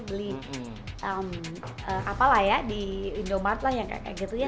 beli apa lah ya di indomaret lah yang kayak gitu ya